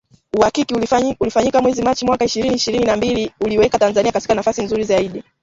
Uhakiki ulifanyika mwezi Machi mwaka ishirini ishirini na mbili uliiweka Tanzania katika nafasi nzuri zaidi